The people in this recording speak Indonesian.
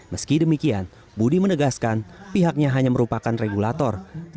meski demikian budi menegaskan pihaknya hanya merupakan regulator